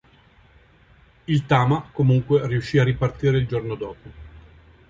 Il "Tama" comunque riuscì a ripartire il giorno dopo.